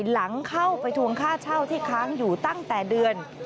หลังเข้าไปทวงค่าเช่าที่ค้างอยู่ตั้งแต่เดือน